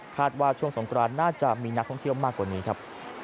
ว่าช่วงสงกรานน่าจะมีนักท่องเที่ยวมากกว่านี้ครับ